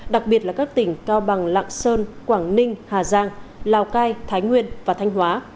đặc biệt là các tỉnh cao bằng lạng sơn quảng ninh hà giang lào cai thái nguyên và thanh hóa